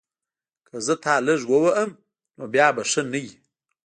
که زه تا لږ ووهم نو بیا به ښه نه وي